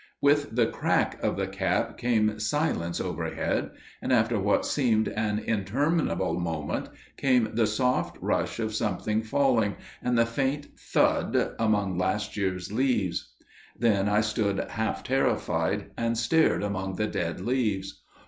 "With the crack of the cap came silence overhead, and after what seemed an interminable moment came the soft rush of something falling and the faint thud among last year's leaves. Then I stood half terrified, and stared among the dead leaves.